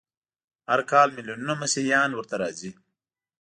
هر کال ملیونونه مسیحیان ورته راځي.